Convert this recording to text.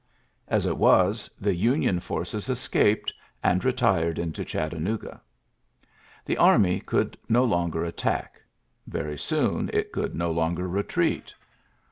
A it was, the Union forces escaped, and w tired into Chattanooga. The army coiil< no longer attack. Very soon it conld n longer retreat.